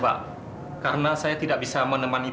ada urusan pas bentar